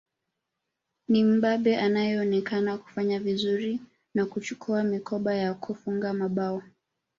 Ni Mbabe anayeonekana kufanya vizuri na kuchukua mikoba ya kufunga mabao